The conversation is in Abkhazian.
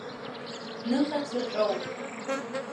Ныха цырҟьоуп.